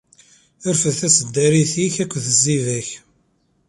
Rfed taseddarit-ik akked tziba-k.